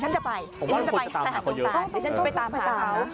ฉันจะไปฉันจะไปตามหาเขา